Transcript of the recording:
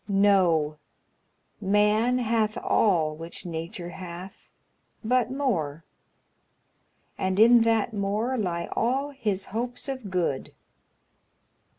Know, man hath all which Nature hath, but more, And in that more lie all his hopes of good.